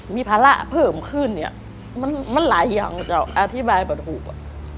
มีภาระเพิ่มขึ้นมันหลายอย่างอะจ้าวอธิบายแบบถูกอะ